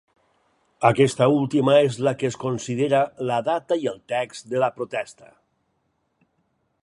Aquesta última és la que es considera la data i el text de la Protesta.